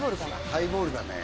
ハイボールだね